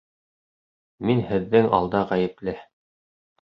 Мин һеҙҙең алда ғәйепле.